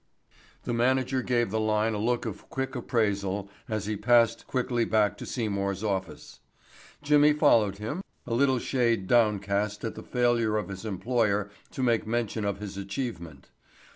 The manager gave the line a look of quick appraisal as he passed quickly back to Seymour's office. Jimmy followed him, a little shade downcast at the failure of his employer to make mention of his achievement.